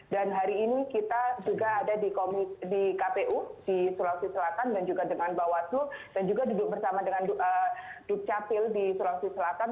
dan hari ini kita juga ada di kpu di sulawesi selatan dan juga dengan bawaslu dan juga duduk bersama dengan duk capil di sulawesi selatan